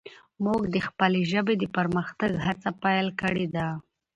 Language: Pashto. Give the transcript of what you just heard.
موږ د خپلې ژبې د پرمختګ هڅه پیل کړي ده.